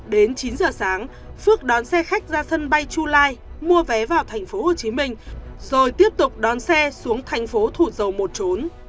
đến chín h sáng phước đón xe khách ra sân bay chu lai mua vé vào tp hcm rồi tiếp tục đón xe xuống tp thủ dầu một trốn